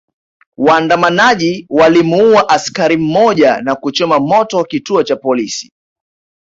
Waandamanaji walimuua askari mmoja na kuchoma moto kituo cha polisi